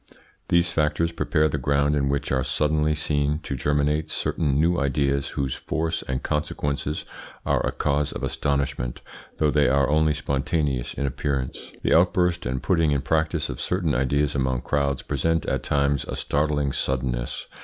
These factors prepare the ground in which are suddenly seen to germinate certain new ideas whose force and consequences are a cause of astonishment, though they are only spontaneous in appearance. The outburst and putting in practice of certain ideas among crowds present at times a startling suddenness.